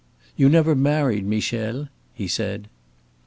"You never married, Michel?" he said.